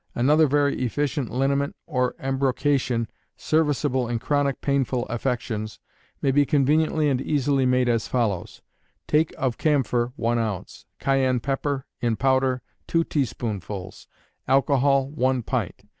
Another very efficient liniment or embrocation, serviceable in chronic painful affections, may be conveniently and easily made as follows: Take of camphor, one ounce; cayenne pepper, in powder, two teaspoonfuls; alcohol, one pint.